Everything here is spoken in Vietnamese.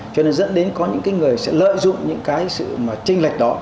cho nên dẫn đến có những cái người sẽ lợi dụng những cái sự mà tranh lệch đó